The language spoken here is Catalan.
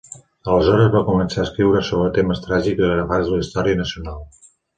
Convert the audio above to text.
Aleshores van començar a escriure sobre temes tràgics agafats de la història nacional.